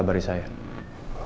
tepat di sekianter